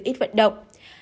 và giữ ít vận động